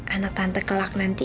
anak tante kelak nanti